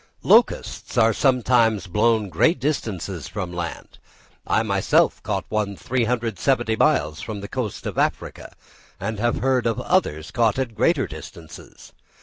Locusts are sometimes blown to great distances from the land. I myself caught one 370 miles from the coast of Africa, and have heard of others caught at greater distances.